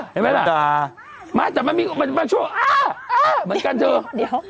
เห็นมั้ยล่ะมันกลัวมันกลัวเหมือนกันเถอะ